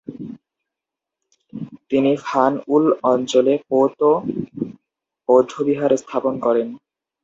তিনি 'ফান-য়ুল অঞ্চলে পো-তো বৌদ্ধবিহার স্থাপন করেন।